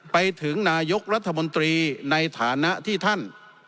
ไปถึงนายกรัฐมนตรีในฐานะที่ท่าน